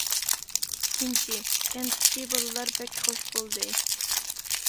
ئىككىنچى، كەنتتىكى بالىلار بەك خۇش بولدى.